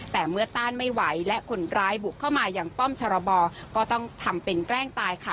แต่เมื่อต้านไม่ไหวและคนร้ายบุกเข้ามาอย่างป้อมชรบก็ต้องทำเป็นแกล้งตายค่ะ